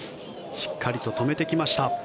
しっかりと止めてきました。